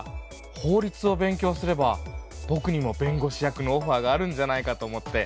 法律を勉強すればぼくにも弁護士役のオファーがあるんじゃないかと思って。